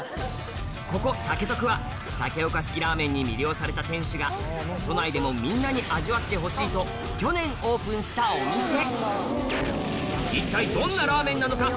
ここ竹徳は竹岡式ラーメンに魅了された店主が都内でもみんなに味わってほしいと去年オープンしたお店一体どんなラーメンなのか？